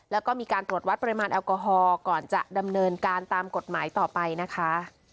แล้วก็มีการตรวจวัดปริมาณแอลกอฮอลก่อนจะดำเนินการตามกฎหมายต่อไปนะคะ